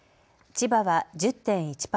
千葉は１０．１％。